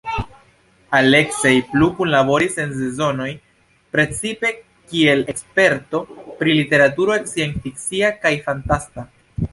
Aleksej plu kunlaboris en Sezonoj, precipe kiel eksperto pri literaturo scienc-fikcia kaj fantasta.